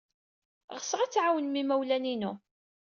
Ɣseɣ ad tɛawnem imawlan-inu.